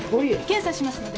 検査しますので。